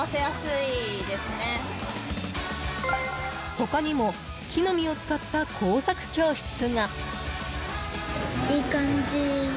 他にも木の実を使った工作教室が。